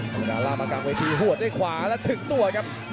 เวลาล่ามากลางเวทีหัวด้วยขวาแล้วถึงตัวครับ